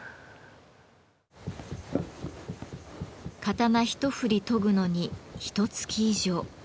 刀一振り研ぐのにひとつき以上。